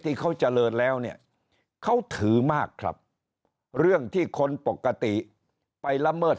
ที่เขาเจริญแล้วเนี่ยเขาถือมากครับเรื่องที่คนปกติไปละเมิด